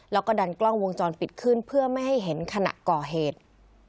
แล้วก็ดันกล้องวงจรปิดขึ้นเพื่อไม่ให้เห็นขณะก่อเหตุ